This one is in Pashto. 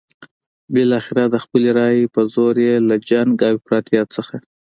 بالاخره د خپلې رايې په زور یې له جنګ او افراطیت څخه.